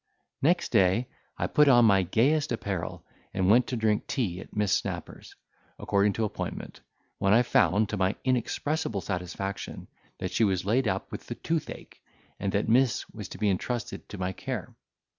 Next day I put on my gayest apparel, and went to drink tea at Mrs. Snapper's, according to appointment, when I found, to my inexpressible satisfaction, that she was laid up with the toothache, and that Miss was to be intrusted to my care.